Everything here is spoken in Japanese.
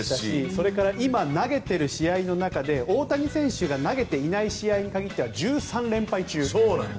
それから今投げている試合の中で大谷選手が投げていない試合では１３連敗中。